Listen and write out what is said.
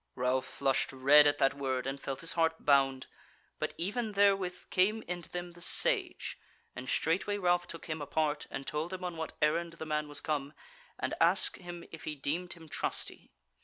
Ralph flushed red at that word, and felt his heart bound: but even therewith came into them the Sage; and straightway Ralph took him apart and told him on what errand the man was come, and ask him if he deemed him trusty.